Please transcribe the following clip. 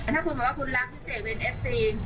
ถ้าคุณบอกว่าคุณรักพิเศษเป็นเอฟซีน